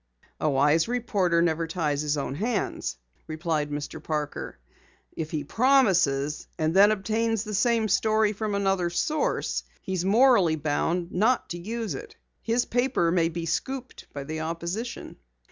"A wise reporter never ties his own hands," replied Mr. Parker. "If he promises, and then obtains the same story from another source, he's morally bound not to use it. His paper may be scooped by the opposition."